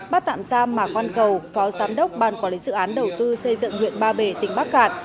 bắt tạm giam mạc văn cầu phó giám đốc ban quản lý dự án đầu tư xây dựng huyện ba bể tỉnh bắc cạn